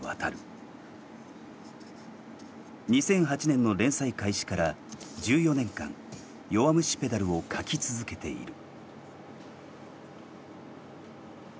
２００８年の連載開始から１４年間「弱虫ペダル」を描き続けている。